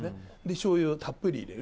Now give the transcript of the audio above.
しょうゆをたっぷり入れる。